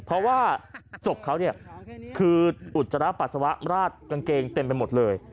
เพราะว่าศพเขาเนี่ยคืออุจจาระปัสสาวะราดกางเกงเต็มไปหมดเลย